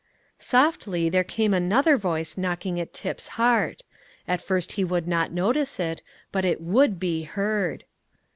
Softly there came another voice knocking at Tip's heart. At first he would not notice it, but it would be heard.